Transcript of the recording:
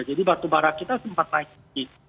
jadi batu bara kita sempat naik sedikit